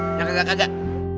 enggak enggak enggak